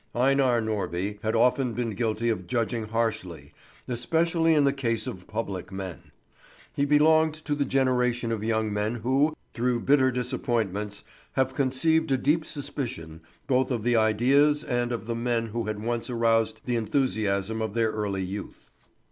Einar Norby had often been guilty of judging harshly, especially in the case of public men. He belonged to the generation of young men who, through bitter disappointments, have conceived a deep suspicion both of the ideas and of the men who had once aroused the enthusiasm of their early youth.